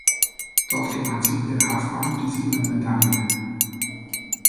Dort gewann sie in der Halfpipe die Silbermedaille.